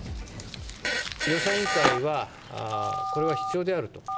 予算委員会はこれは必要であると。